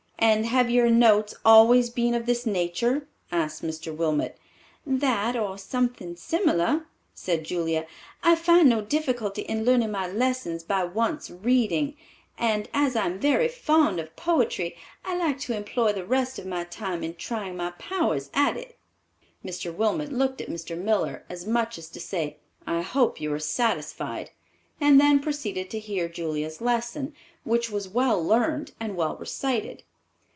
"And have your 'notes' always been of this nature?" asked Mr. Wilmot. "That, or something similar," said Julia. "I find no difficulty in learning my lesson by once reading, and as I am very fond of poetry, I like to employ the rest of my time in trying my powers at it!" Mr. Wilmot looked at Mr. Miller, as much as to say, "I hope you are satisfied," and then proceeded to hear Julia's lesson, which was well learned and well recited.